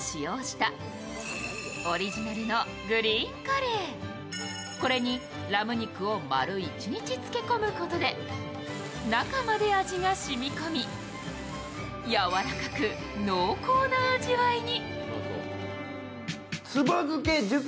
そして最大の特徴はこれにラム肉を丸一日漬け込むことで、中まで味が染み込み、やわらかく濃厚な味わいに。